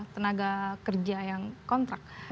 tenaga kerja yang kontrak